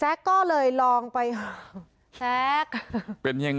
และก็คือว่าถึงแม้วันนี้จะพบรอยเท้าเสียแป้งจริงไหม